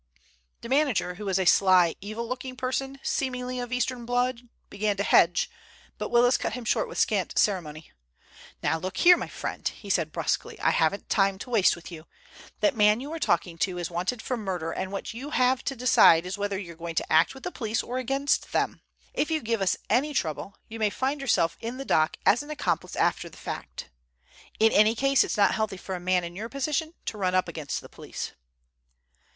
The manager, who was a sly, evil looking person seemingly of Eastern blood, began to hedge, but Willis cut him short with scant ceremony. "Now look here, my friend," he said brusquely, "I haven't time to waste with you. That man that you were talking to is wanted for murder, and what you have to decide is whether you're going to act with the police or against them. If you give us any, trouble you may find yourself in the dock as an accomplice after the fact. In any case it's not healthy for a man in your position to run up against the police."